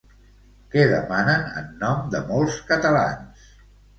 Què demanen en nom de molts catalans?